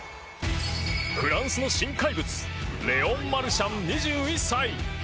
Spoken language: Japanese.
フランスの新怪物レオン・マルシャン、２１歳。